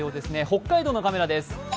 北海道のカメラです。